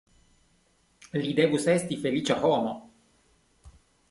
Li devus esti feliĉa homo.